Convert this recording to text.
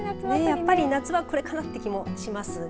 やっぱり夏はこれかなっていう気もしますね。